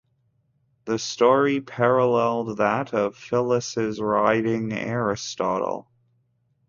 The story paralleled that of Phyllis riding Aristotle.